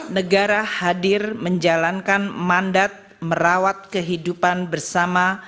negara hadir menjalankan mandat merawat kehidupan bersama